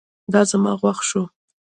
دا زما خوښ شو